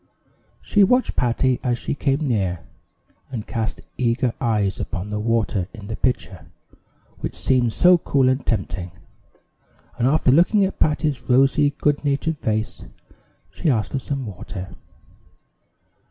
She watched Patty as she came near, and cast eager eyes upon the water in the pitcher, which seemed so cool and tempting; and after looking at Patty's rosy, good natured face, she asked for some water.